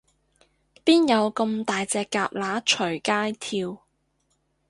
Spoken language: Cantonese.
邊有噉大隻蛤乸隨街跳